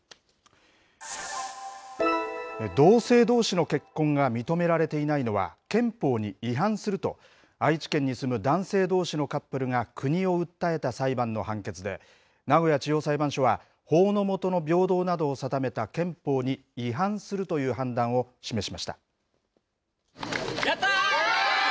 同性どうしの結婚が認められていないのは、憲法に違反すると、愛知県に住む男性どうしのカップルが国を訴えた裁判の判決で、名古屋地方裁判所は、法の下の平等などを定めた憲法に違反するという判断を示しました。